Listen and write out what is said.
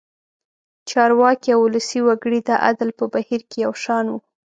چارواکي او ولسي وګړي د عدل په بهیر کې یو شان وو.